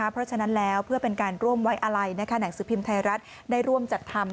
เพื่อเป็นการร่วมวัยอะไลนะคะนักสือพิมพ์ไทยรัฐได้ร่วมจัดทำ